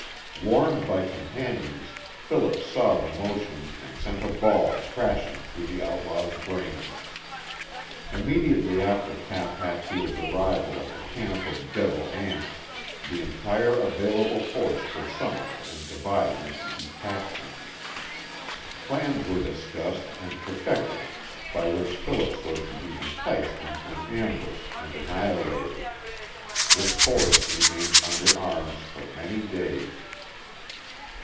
Warned by companions, Phillips saw the motion and sent a ball crashing through the outlaw's brain. Immediately after Cap Hatfield's arrival at the camp of "Devil Anse" the entire available force was summoned and divided into detachments. Plans were discussed and perfected by which Phillips was to be enticed into an ambush and annihilated. This force remained under arms for many days.